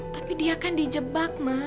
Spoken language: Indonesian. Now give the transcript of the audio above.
tapi dia kan dijebak mah